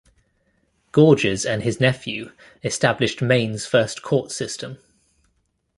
Gorges and his nephew established Maine's first court system.